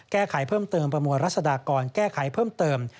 แก้ไขเพิ่มเติมประมวลรัศดากรแก้ไขเพิ่มเติม